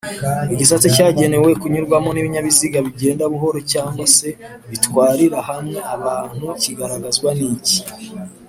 igisate cyagenewe kunyurwamo n’ibinyabiziga bigenda buhoro cg se bitwarari hamwe abantu kigaragazwa n’iki